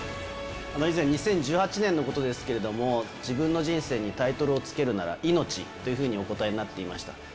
以前、２０１８年のことですけども、自分の人生にタイトルをつけるなら、命というふうにお答えになっていました。